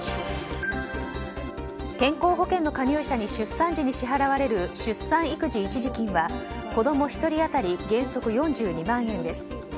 健康保険の加入者に出産時に支払われる出産育児一時金は子供１人当たり原則４２万円です。